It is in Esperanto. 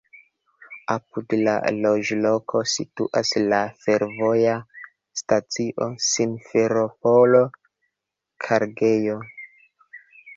Apud la loĝloko situas la fervoja stacio "Simferopolo-kargejo".